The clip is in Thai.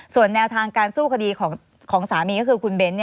ส่วนแนวทางการสู้คดีของสามีก็คือคุณเบ้น